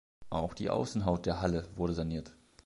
Auch die Außenhaut der Halle wurde saniert.